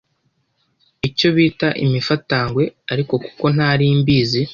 icyo bita imifatangwe ariko kuko ntari mbizi